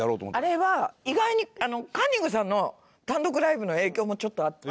あれは意外にあのカンニングさんの単独ライブの影響もちょっとあって。